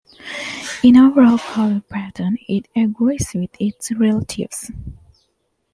In overall color pattern, it agrees with its relatives.